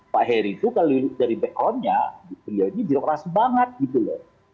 pak heru itu kalau dari backgroundnya dia ini jelas banget gitu loh